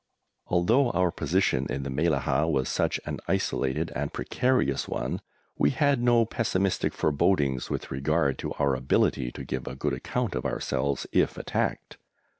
Although our position in the Mellahah was such an isolated and precarious one, we had no pessimistic forebodings with regard to our ability to give a good account of ourselves if attacked.